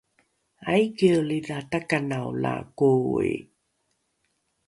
aikielidha takanao la koi?